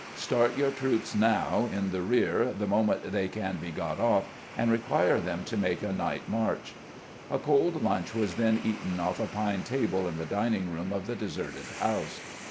Start your troops now in the rear the moment they can be got off, and require them to make a night march." A cold lunch was then eaten off a pine table in the dining room of the deserted house.